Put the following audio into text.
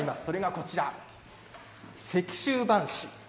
それがこちら石州半紙。